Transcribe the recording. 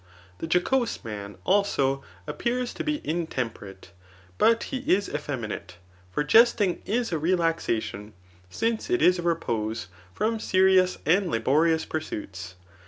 The jocose man, also, appears to be intemperate, but he is effemi nate ; for jesting is a relaxation, since it is a repose f from serious and laborious pursuits.